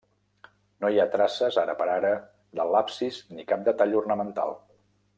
No hi ha traces, ara per ara, de l'absis ni cap detall ornamental.